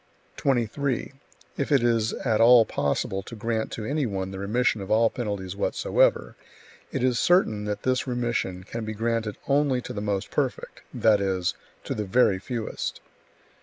23. If it is at all possible to grant to any one the remission of all penalties whatsoever, it is certain that this remission can be granted only to the most perfect, that is, to the very fewest.